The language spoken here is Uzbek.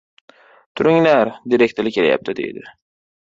— Turinglar, direktor kelayapti! — deydi.